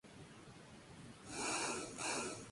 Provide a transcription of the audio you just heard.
Fue coronada Mrs.